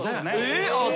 えっ？